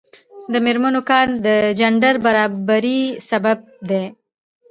د میرمنو کار د جنډر برابري سبب دی.